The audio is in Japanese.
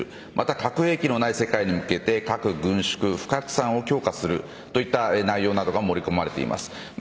核兵器のない世界に向けて核軍縮、不拡散を強化するといった内容などが盛り込まれています。